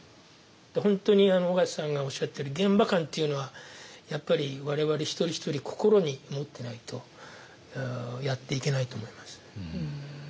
本当に緒方さんがおっしゃってる現場感っていうのはやっぱりわれわれ一人一人心に持ってないとやっていけないと思います。